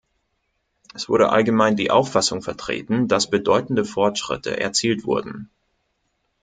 Es wurde allgemein die Auffassung vertreten, dass bedeutende Fortschritte erzielt wurden.